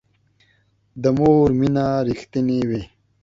د مور مینه رښتینې وي